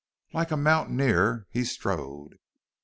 Like a mountaineer he strode.